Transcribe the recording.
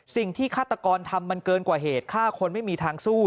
ฆาตกรทำมันเกินกว่าเหตุฆ่าคนไม่มีทางสู้